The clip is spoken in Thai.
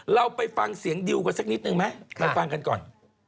เราไปฟังเสียงดิวกันสักนิดนึงไหมเราฟังกันก่อน